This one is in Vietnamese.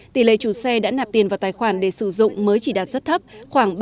tỷ lệ chủ xe đã nạp tiền vào tài khoản để sử dụng mới chỉ đạt rất thấp khoảng ba mươi